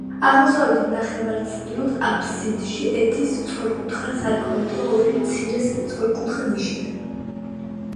აღმოსავლეთით, ნახევარწრიულ აბსიდში, ერთი სწორკუთხა სარკმელი და ორი მცირე სწორკუთხა ნიშია.